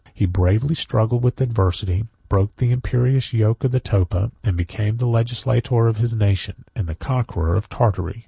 He bravely struggled with adversity, broke the imperious yoke of the Topa, and became the legislator of his nation, and the conqueror of Tartary.